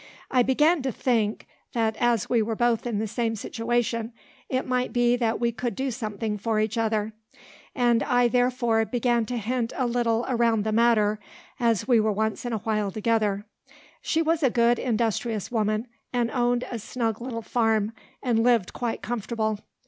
I began to think, that as we were both in the same situation, it might be that we could do something for each other; and I therefore began to hint a little around the matter, as we were once and a while together. She was a good industrious woman, and owned a snug little farm, and lived quite comfortable.